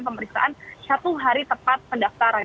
pemeriksaan satu hari tepat pendaftaran